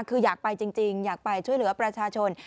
คืออยากไปจริงอยากไปช่วยเหลือประชาชน